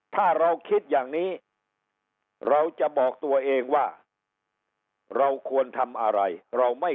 ถ้าเราคิดอย่างนี้เราจะบอกตัวเองว่าเราควรทำอะไรเราไม่